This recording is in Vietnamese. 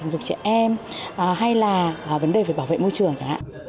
giữ trẻ em hay là vấn đề về bảo vệ môi trường